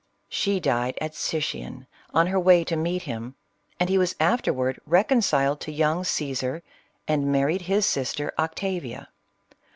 She died at Sicyon, on her way to meet him : and he was afterward reconciled^ to young Cassar, and married his sister Octavia.